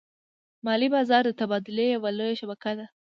مالي بازار د تبادلې یوه لویه شبکه ده.